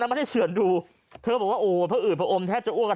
นั้นไม่ได้เฉินดูเธอบอกว่าโอ้พระอื่นพระอมแทบจะอ้วนกัน